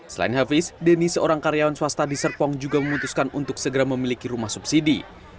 selain hafiz denny seorang karyawan swasta di serpong juga memutuskan untuk segera memiliki rumah subsidi